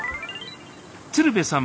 鶴瓶さん